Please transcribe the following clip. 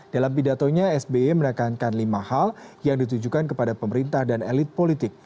dalam pidatonya sby menekankan lima hal yang ditujukan kepada pemerintah dan elit politik